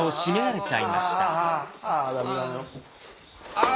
ああ！